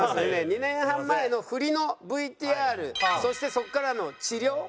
２年半前のフリのＶＴＲそしてそこからの治療